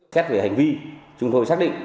xét về hành vi chúng tôi xác định